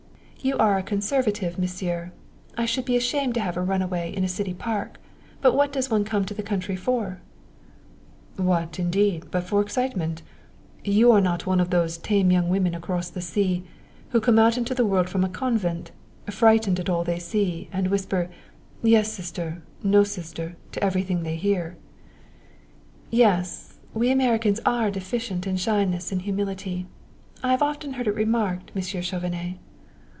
"You are a conservative, Monsieur. I should be ashamed to have a runaway in a city park, but what does one come to the country for?" "What, indeed, but for excitement? You are not of those tame young women across the sea who come out into the world from a convent, frightened at all they see and whisper 'Yes, Sister,' 'No, Sister,' to everything they hear." "Yes; we Americans are deficient in shyness and humility. I have often heard it remarked, Monsieur Chauvenet."